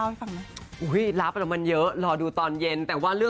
เมนูไหนที่แบบแม่ชอบทาน